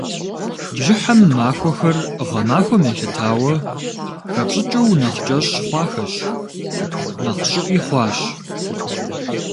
Бжьыхьэм махуэхэр, гъэмахуэм елъытауэ, хэпщӏыкӏыу нэхъ кӏэщӏ хъуахэщ, нэхъ щӏыӏи хъуащ.